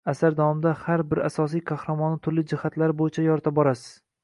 Asar davomida har bir asosiy qahramonni turli jihatlari bo’yicha yorita borasiz